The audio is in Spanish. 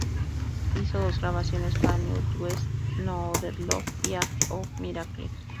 Hizo dos grabaciones para New West: "No Other Love" y "Age of Miracles".